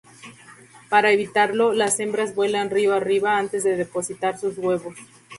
Para evitarlo, las hembras vuelan río arriba antes de depositar sus huevos.